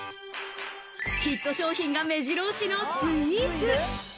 ヒット商品が目白押しのスイーツ。